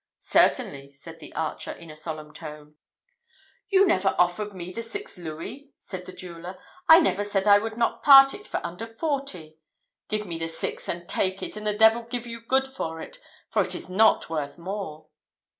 "Certainly," said the archer, in a solemn tone. "You never offered me the six louis," said the jeweller. "I never said I would not part with it under forty. Give me the six, and take it, and the devil give you good for it; for it is not worth more."